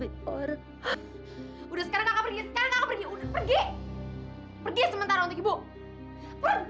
udah sekarang kakak pergi sekarang kakak pergi pergi pergi sementara untuk ibu pergi